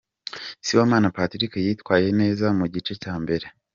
Sibomana Patrick yitwaye neza mu gice cya mbere.